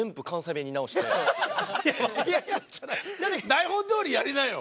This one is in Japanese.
台本どおりやりなよ！